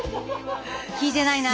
聞いてないな！